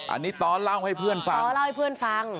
อันนี้ต้อเล่าให้เพื่อนฟัง